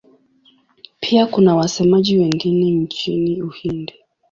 Pia kuna wasemaji wengine nchini Uhindi.